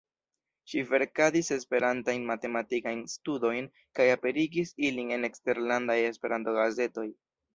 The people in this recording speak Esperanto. Ŝi verkadis Esperantajn matematikajn studojn kaj aperigis ilin en eksterlandaj Esperanto-gazetoj.